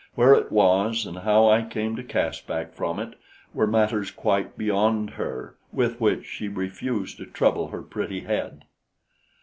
Where it was and how I came to Caspak from it were matters quite beyond her with which she refused to trouble her pretty head.